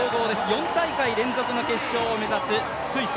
４大会連続の決勝を目指すスイス。